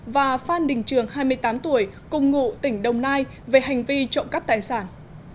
và phan đình trường hai mươi tám tuổi cùng ngụ tỉnh đồng nai về hành vi trộm cắp tài sản